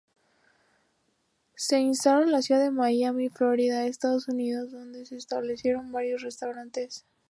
Se instalaron en la ciudad de Miami, Florida, Estados Unidos, donde estableció varios restaurantes.